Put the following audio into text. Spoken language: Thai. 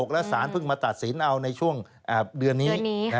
แล้วสารเพิ่งมาตัดสินเอาในช่วงเดือนนี้